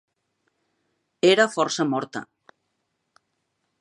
Era força morta.